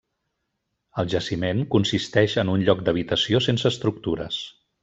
El jaciment consisteix en un lloc d'habitació sense estructures.